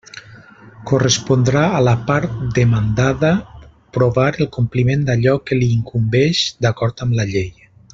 Correspondrà a la part demandada provar el compliment d'allò que li incumbeix d'acord amb la llei.